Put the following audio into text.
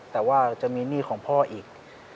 แต่ว่าจะมีหนี้ของพ่ออีก